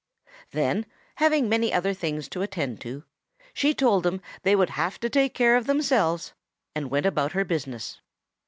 Then, having many other things to attend to, she told them they would have to take care of themselves, and went about her business.